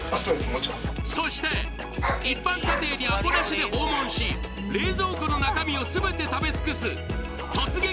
もちろんそして一般家庭にアポなしで訪問し冷蔵庫の中身をすべて食べ尽くす突撃！